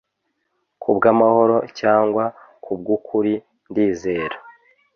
Kubwamahoro cyangwa kubwukuri ndizera